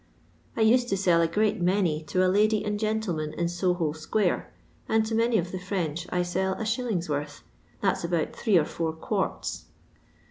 I used to sell a great many to a lady and gentleman in Soho square, and to many of the French I sell l<.'s worth, that's about three or four quarts.